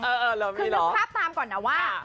คือคือภาพตามก่อนนะว่า